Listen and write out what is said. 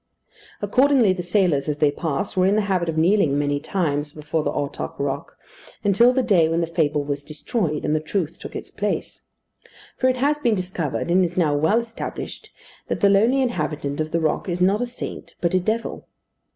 Accordingly the sailors, as they passed, were in the habit of kneeling many times before the Ortach rock, until the day when the fable was destroyed, and the truth took its place. For it has been discovered, and is now well established, that the lonely inhabitant of the rock is not a saint, but a devil.